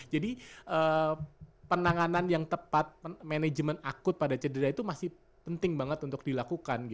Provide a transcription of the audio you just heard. jadi penanganan yang tepat manajemen akut pada cedera itu masih penting banget untuk dilakukan